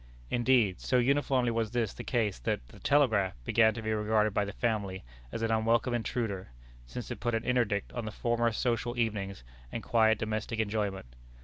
Indeed, so uniformly was this the case, that "The Telegraph" began to be regarded by the family as an unwelcome intruder, since it put an interdict on the former social evenings and quiet domestic enjoyment.